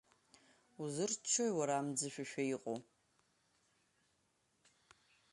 Узырччои, уара, амӡышәашәа иҟоу?